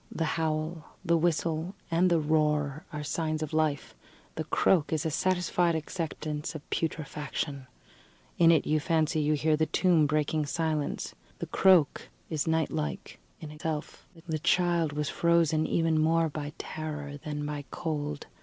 The howl, the whistle and the roar, are signs of life; the croak is a satisfied acceptance of putrefaction. In it you can fancy you hear the tomb breaking silence. The croak is night like in itself. The child was frozen even more by terror than by cold.